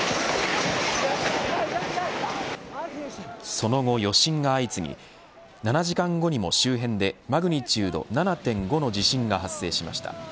その後余震が相次ぎ７時間後にも周辺でマグニチュード７．５の地震が発生しました。